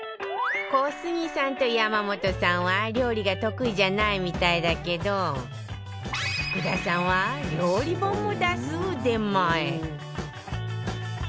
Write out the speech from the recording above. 小杉さんと山本さんは料理が得意じゃないみたいだけど福田さんは料理本も出す腕前！